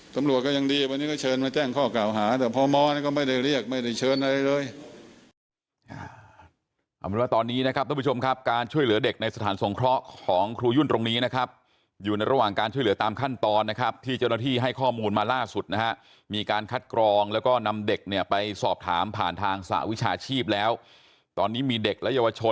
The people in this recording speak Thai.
ตำรวจก็ยังดีวันนี้ก็เชิญมาแจ้งข้อเก่าหาแต่พมก็ไม่ได้เรียกไม่ได้เชิญอะไรเลย